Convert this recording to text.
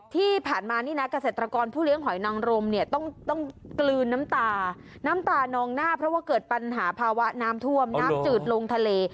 ที่ผ่านมานี่นะเกษตรกรผู้เลี้ยงหอยนังรมเนี่ยต้องกลืนน้ำตาน้ำตานองหน้าเพราะว่าเกิดปัญหาภาวะน้ำท่วมน้ำจืดลงทะเล